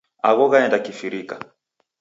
Agho ghaenda kifirika.